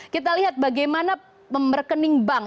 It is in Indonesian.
kita lihat bagaimana rekening bank